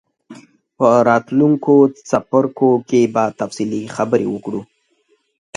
په راتلونکو څپرکو کې به تفصیلي خبرې وکړو.